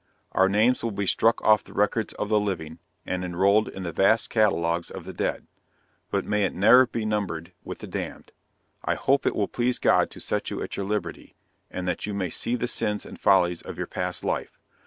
Our names will be struck off the records of the living, and enrolled in the vast catalogues of the dead. But may it ne'er be numbered with the damned. I hope it will please God to set you at your liberty, and that you may see the sins and follies of your life past.